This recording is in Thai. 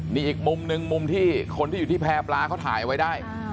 นี่อีกมุมนึงมุมที่คนที่อยู่ที่แพร่ปลาเขาถ่ายไว้ได้